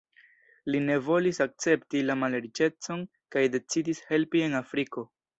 Li ne volis akcepti la malriĉecon kaj decidis helpi en Afriko.